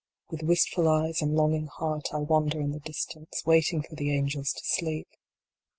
With wistful eyes, and longing heart, I wander in the distance, waiting for the angels to sleep.